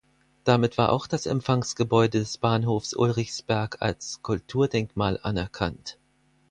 Damit war auch das Empfangsgebäude des Bahnhofs Ulrichsberg als Kulturdenkmal anerkannt.